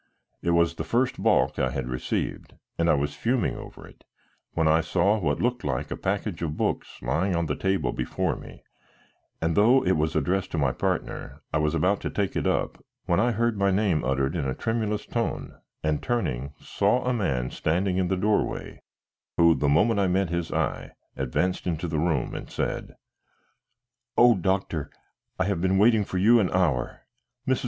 It was the first balk I had received and I was fuming over it, when I saw what looked like a package of books lying on the table before me, and though it was addressed to my partner, I was about to take it up, when I heard my name uttered in a tremulous tone, and turning, saw a man standing in the doorway, who, the moment I met his eye, advanced into the room and said: "O doctor, I have been waiting for you an hour. Mrs.